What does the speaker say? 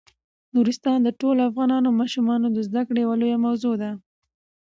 نورستان د ټولو افغان ماشومانو د زده کړې یوه لویه موضوع ده.